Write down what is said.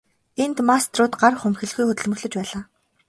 Тэнд мастерууд гар хумхилгүй хөдөлмөрлөж байлаа.